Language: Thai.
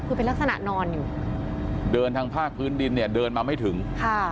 คือเป็นลักษณะนอนอยู่เดินทางภาคพื้นดินเนี่ยเดินมาไม่ถึงค่ะ